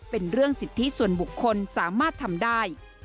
เป็นเรื่องสิทธิส่วนบุคคลสามารถทำได้